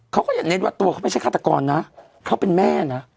เขาก็อย่าเน้นว่าตัวเขาไม่ใช่ฆาตกรนะเขาเป็นแม่นะ